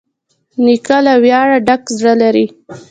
نیکه له ویاړه ډک زړه لري.